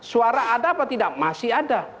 suara ada apa tidak masih ada